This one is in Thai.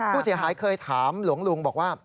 ผู้เสียหายเคยถามหลวงลุงบอกว่า